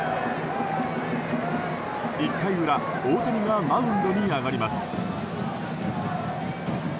１回裏大谷がマウンドに上がります。